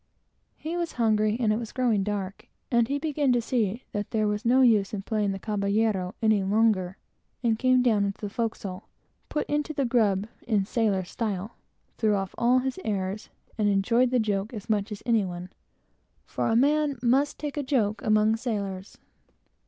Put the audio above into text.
He was hungry, and it was growing dark, and he began to see that there was no use in playing the caballero any longer, and came down into the forecastle, put into the "grub" in sailor's style, threw off all his airs, and enjoyed the joke as much as any one; for a man must take a joke among sailors.